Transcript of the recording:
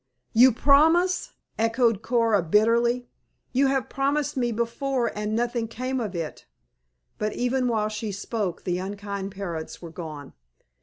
"You promise!" echoed Coora bitterly. "You have promised me before and nothing came of it." But even while she spoke the unkind parents were gone.